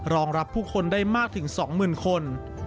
รองรับผู้คนได้มากถึง๒๐๐๐คน